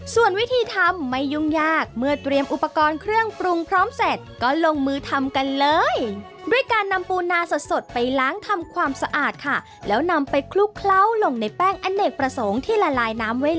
ส่วนวิธีทำไม่ยุ่งยากเมื่อเตรียมอุปกรณ์เครื่องปรุงพร้อมเสร็จก็ลงมือทำกันเลย